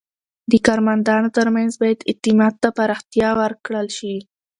د کارمندانو ترمنځ باید اعتماد ته پراختیا ورکړل شي.